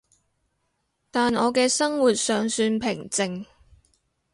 但我嘅生活尚算平靜